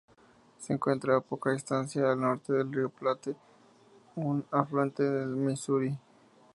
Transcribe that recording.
Se encuentra a poca distancia al norte del río Platte, un afluente del Misuri.